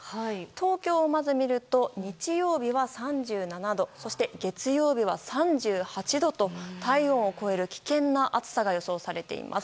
東京をまず見ると日曜日は３７度そして月曜日は３８度と体温を超える危険な暑さが予想されています。